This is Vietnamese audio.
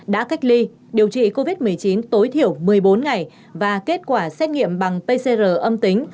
đã cách ly điều trị covid một mươi chín tối thiểu một mươi bốn ngày và kết quả xét nghiệm bằng pcr âm tính